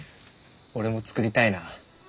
俺も作りたいな。